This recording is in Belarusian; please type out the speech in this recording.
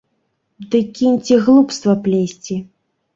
Ды кіньце глупства плесці.